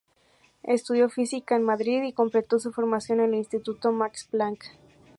Estudió física en Madrid y completó su formación en el Instituto Max Planck.